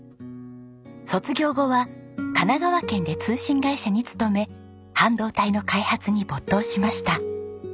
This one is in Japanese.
卒業後は神奈川県で通信会社に勤め半導体の開発に没頭しました。